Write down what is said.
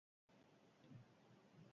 Gainera, sei zauritu egoera larrian daude.